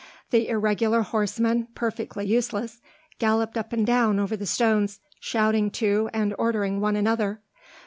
The irregular horsemen, perfectly useless, galloped up and down over the stones, shouting to and ordering one another.